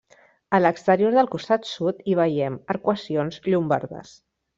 A l'exterior del costat sud hi veiem arcuacions llombardes.